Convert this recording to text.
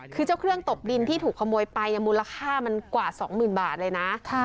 คือเจ้าเครื่องตบดินที่ถูกขโมยไปมูลค่ามันกว่า๒๐๐๐บาทเลยนะ